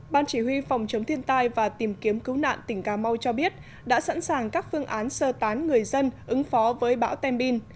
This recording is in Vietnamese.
ban chỉ huy phòng chống thiên tai và tìm kiếm cứu nạn tỉnh cà mau cho biết đã sẵn sàng các phương án sơ tán người dân ứng phó với bão tem bin